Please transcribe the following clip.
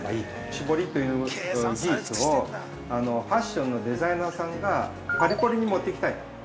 絞りという技術をファッションのデザイナーさんがパリコレに持っていきたい。